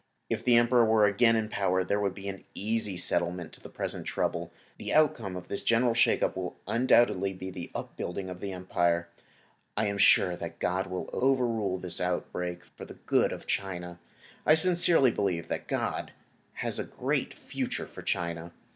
If the Emperor were again in power there would be an easy settlement of the present trouble. The outcome of this general shakeup will undoubtedly be the upbuilding of the Empire. I am sure that God will overrule this outbreak for the good of China. I sincerely believe that God has a great future for China.